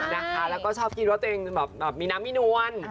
แล้วก็ชอบคิดว่าเธอเองมีน้ำไม่นวล